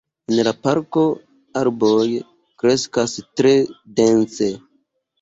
En la parko arboj kreskas tre dense.